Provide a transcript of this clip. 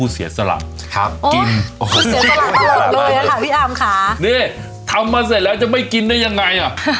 เสียสลามตาลงเลยนะคะพี่อามค่ะนี่มาเสร็จแล้วจะไม่กินได้ยังไงอ่ะ